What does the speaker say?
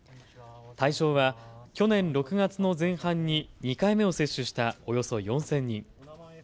対象は去年６月の前半に２回目を接種したおよそ４０００人。